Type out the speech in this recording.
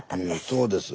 そうです。